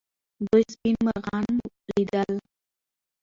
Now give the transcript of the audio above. دوی سپین مرغان لیدل.